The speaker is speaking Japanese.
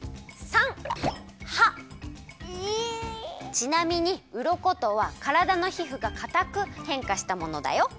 ちなみにうろことはからだのひふがかたくへんかしたものだよ。